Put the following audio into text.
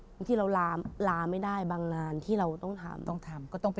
หรือที่เราลาไม่ได้บางนานที่เราต้องทำ